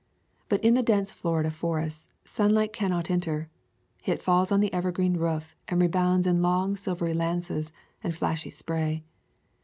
But in the dense Florida forests sunlight can not enter. It falls on the evergreen roof and rebounds in long silvery lances and flashy spray.